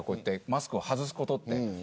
マスクを外すことは。